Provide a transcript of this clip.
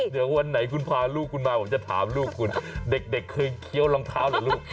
เดี๋ยววันไหนคุณพาลูกคุณมาผมจะถามลูกคุณเด็กเคยเคี้ยวรองเท้าเหรอลูก